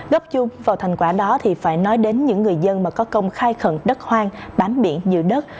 gấp chung vào thành quả đó thì phải nói đến những người dân mà có công khai khẩn đất hoang bán biển dự đất